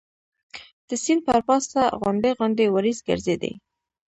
د سیند پر پاسه غونډۍ غونډۍ وریځ ګرځېدې.